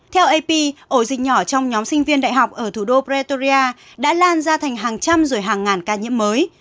theo ap ổ dịch nhỏ trong nhóm sinh viên đại học ở thủ đô pratoria đã lan ra thành hàng trăm rồi hàng ngàn ca nhiễm mới